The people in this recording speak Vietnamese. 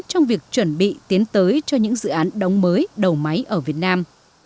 trong việc chuẩn bị tiến tới cho những dự án đóng mới đầu máy ở việt nam